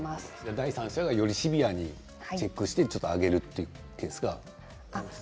第三者がよりシビアにチェックしてあげるというケースがある。